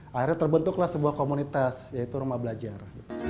akhirnya terbentuklah sebuah komunitas yaitu rumah belajar